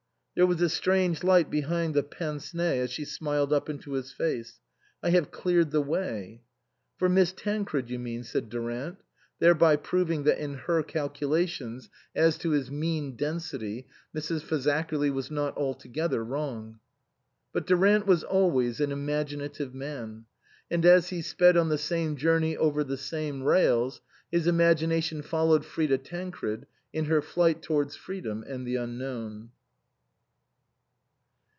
" There was a strange light behind the pince nez as she smiled up into his face. " I have cleared the way." " For Miss Tancred, you mean," said Durant ; thereby proving that in her calculations as to his 140 INLAND mean density Mrs. Fazakerly was not altogether wrong. But Durant was always an imaginative man. And as he sped on the same journey over the same rails, his imagination followed Frida Tancred in her flight towards freedom and the unknown.